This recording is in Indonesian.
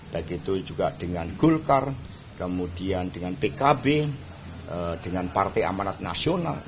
begitu juga dengan golkar kemudian dengan pkb dengan partai amanat nasional